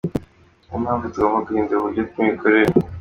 Niyo mpamvu tugomba guhindura uburyo bw’imikorere.”